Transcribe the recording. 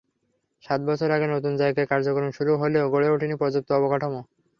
সাত বছর আগে নতুন জায়গায় কার্যক্রম শুরু হলেও গড়ে ওঠেনি পর্যাপ্ত অবকাঠামো।